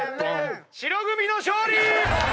白組の勝利！